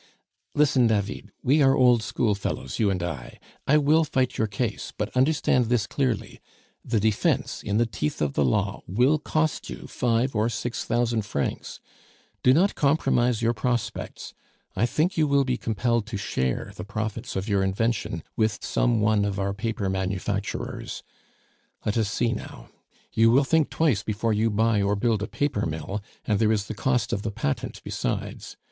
"Listen, David, we are old schoolfellows, you and I; I will fight your case; but understand this clearly the defence, in the teeth of the law, will cost you five or six thousand francs! Do not compromise your prospects. I think you will be compelled to share the profits of your invention with some one of our paper manufacturers. Let us see now. You will think twice before you buy or build a paper mill; and there is the cost of the patent besides.